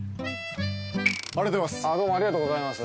ありがとうございます。